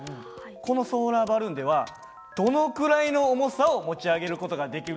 このソーラーバルーンではどのくらいの重さを持ち上げる事ができるでしょうかという問題です。